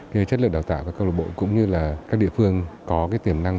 cái chất lượng đào tạo của các club bộ cũng như là các địa phương có cái tiềm năng